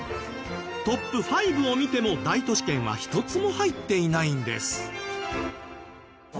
トップ５を見ても大都市圏は一つも入っていないんです。